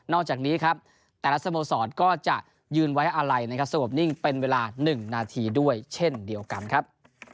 อกจากนี้ครับแต่ละสโมสรก็จะยืนไว้อาลัยนะครับสงบนิ่งเป็นเวลา๑นาทีด้วยเช่นเดียวกันครับ